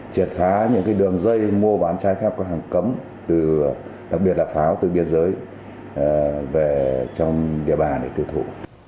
triệt phá những đường dây mua bán trái phép các hàng cấm đặc biệt là pháo từ biên giới về trong địa bàn để tiêu thụ